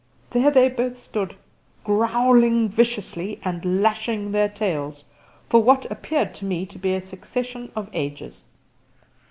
There they both stood, growling viciously and lashing their tails, for what appeared to me to be a succession of ages.